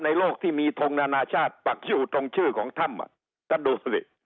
ในโลกที่มีทรงนานาชาติฟักอยู่ตรงชื่อของธรรมอ่ะถ้าดูสิ